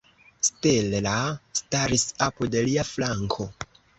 Stella staris apud lia flanko.